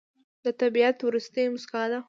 د طبیعت وروستی موسکا ده